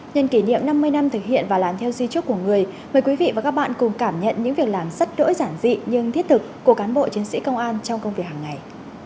nhân kỷ niệm năm mươi năm thực hiện và làm theo di trúc của người mời quý vị và các bạn cùng cảm nhận những việc làm rất đỗi giản dị nhưng thiết thực của cán bộ chiến sĩ công an trong công việc hàng ngày